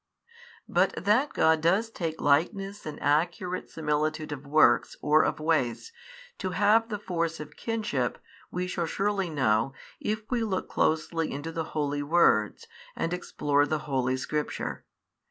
But that God does take likeness and accurate similitude of works or of ways to have the force of kinship, we shall clearly know, if we look closely into the holy words, and explore the Holy Scripture.